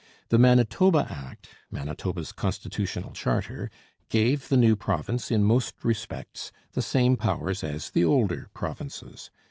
The Manitoba Act, Manitoba's constitutional charter, gave the new province in most respects the same powers as the older provinces.